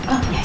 oh ya jangan